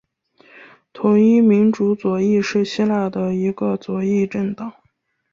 统一民主左翼是希腊的一个左翼政党。